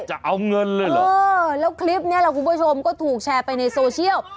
จะเอาเงินเลยเหรอเออแล้วคลิปนี้แหละคุณผู้ชมก็ถูกแชร์ไปในโซเชียล